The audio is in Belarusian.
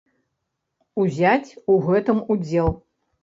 Узяць у гэтым удзел.